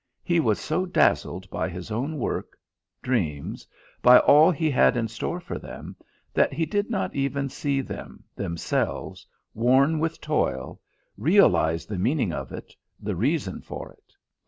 He was so dazzled by his own work, dreams, by all he had in store for them, that he did not even see them, themselves, worn with toil, realise the meaning of it, the reason for it.